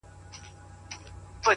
خو ما د لاس په دسمال ووهي ويده سمه زه~